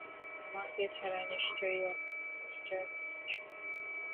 আমাকে ছাড়া নিশ্চয়ই অনেক মজা করছো।